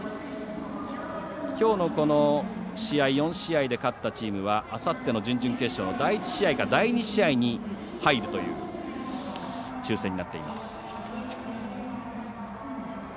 きょうの試合４試合で勝ったチームはあさっての準々決勝の第１試合か第２試合に入るという抽せんになっています。